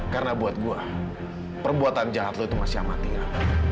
karena buat gue perbuatan jahat lo itu masih amatia